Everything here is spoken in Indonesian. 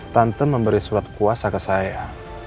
tante memberi surat kuasa ke saya